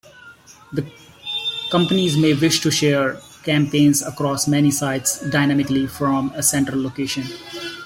Companies may wish to share campaigns across many sites, dynamically, from a central location.